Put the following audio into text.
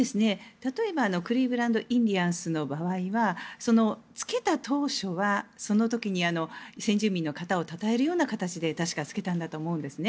例えばクリーブランド・インディアンスの場合はつけた当初はその時に先住民の方をたたえるような形で確かつけたんだと思うんですね。